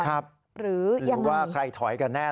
หรือยังไงหรือว่าใครถอยกันแน่